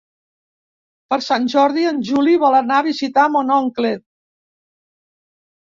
Per Sant Jordi en Juli vol anar a visitar mon oncle.